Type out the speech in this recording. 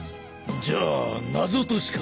じゃあ謎としか。